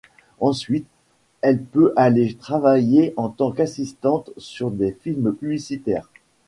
Ensuite, elle peut aller travailler en tant qu’assistante sur des films publicitaires.